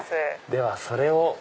ではそれを。